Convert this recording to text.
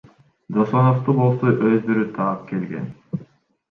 Досоновду болсо өздөрү таап келген.